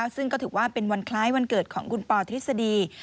ซึ่งก็ถือว่าเป็นวันคล้ายวันเกิดของคุณปอทฤษฎี